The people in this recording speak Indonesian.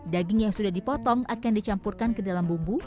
daging yang sudah dipotong akan dicampurkan ke dalam bumbu